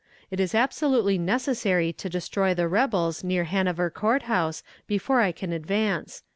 It is absolutely necessary to destroy the rebels near Hanover Court House before I can advance."